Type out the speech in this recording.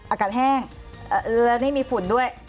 อากาศแห้งเอื้อนี่มีฝุ่นด้วย